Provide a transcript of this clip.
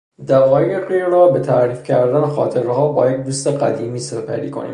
دقایقی را به تعریفکردن خاطرهها با یک دوست قدیمی سپری کنیم.